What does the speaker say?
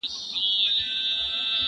انډیوالۍ کي احسان څۀ ته وایي ,